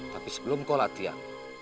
tapi sebelum kau latihan